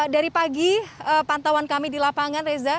dari pagi pantauan kami di lapangan reza